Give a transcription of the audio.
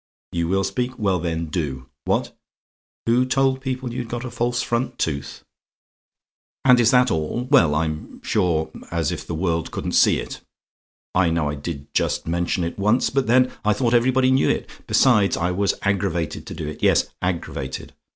"YOU WILL SPEAK? "Well then, do. "What? "WHO TOLD PEOPLE YOU'D A FALSE FRONT TOOTH? "And is that all? Well, I'm sure as if the world couldn't see it. I know I did just mention it once, but then I thought everybody knew it besides, I was aggravated to do it; yes, aggravated.